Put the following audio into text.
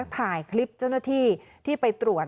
ถ่ายคลิปเจ้าหน้าที่ที่ไปตรวจ